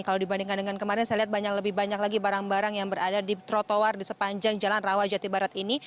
kalau dibandingkan dengan kemarin saya lihat lebih banyak lagi barang barang yang berada di trotoar di sepanjang jalan rawajati barat ini